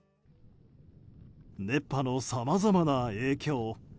熱波のさまざまな影響。